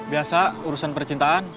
biasa urusan percintaan